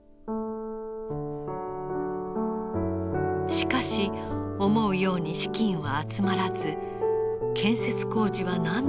しかし思うように資金は集まらず建設工事は何度も中断。